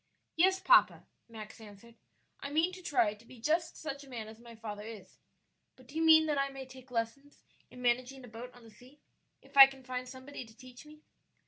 "Yes, papa," Max answered; "I mean to try to be just such a man as my father is; but do you mean that I may take lessons in managing a boat on the sea, if I can find somebody to teach me?"